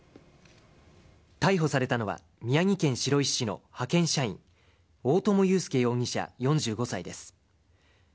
逮捕されたのは、宮城県白石市の派遣社員、大友祐介容疑者４５歳です。